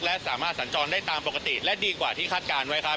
และสามารถสัญจรได้ตามปกติและดีกว่าที่คาดการณ์ไว้ครับ